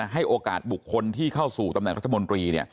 ให้โอกาสบุคคลที่เข้าสู่ตำแหน่งรัฐมนตรี